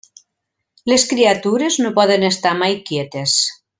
Les criatures no poden estar mai quietes.